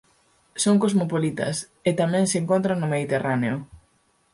Son cosmopolitas e tamén se encontran no Mediterráneo.